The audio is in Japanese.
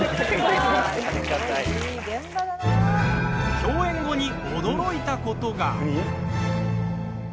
共演後に、驚いたことが。